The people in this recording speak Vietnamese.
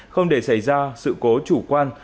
không để xảy ra sự cố chủ quan